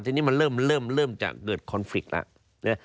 ทีนี้มันเริ่มจะเกิดคอนฟริกต์แล้ว